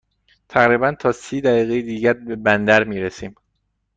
تقریباً تا سی دقیقه دیگر به بندر می رسیم.